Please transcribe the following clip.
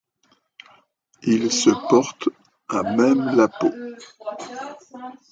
Il se porte à même la peau.